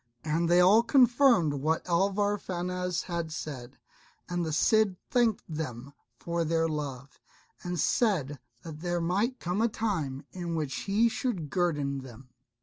And they all confirmed what Alvar Fanez had said; and the Cid thanked them for their love, and said that there might come a time in which he should guerdon them.